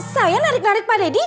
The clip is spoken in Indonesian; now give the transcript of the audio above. saya narik narik pak deddy